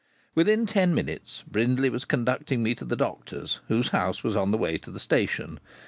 Within ten minutes Brindley was conducting me to the doctor's, whose house was on the way to the station.